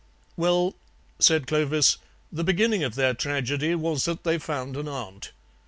"Well," said Clovis, "the beginning of their tragedy was that they found an aunt.